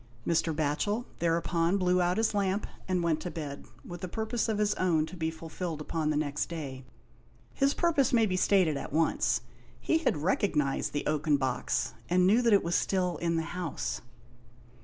Mr. Batchel thereupon blew out his lamp and went to bed, with a purpose of his own to be fulfilled upon the next day. His purpose may be stated at once. He had recognised the oaken box, and knew that it was still in the house.